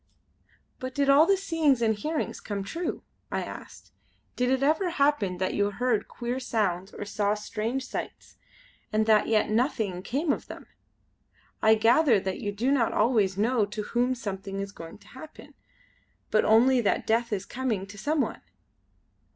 "But did all the seeings and hearings come true?" I asked. "Did it ever happen that you heard queer sounds or saw strange sights and that yet nothing came of them? I gather that you do not always know to whom something is going to happen; but only that death is coming to some one!"